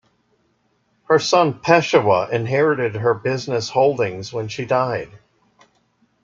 Her son Peshewa inherited her business holdings when she died.